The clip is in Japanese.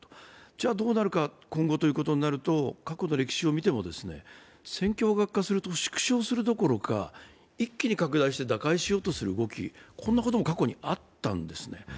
ではどうなるかというと過去の歴史を見ても、戦況が悪化すると縮小するどころか一気に拡大して打開しようとする動きも過去にはあったんですね。